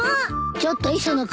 ・ちょっと磯野君。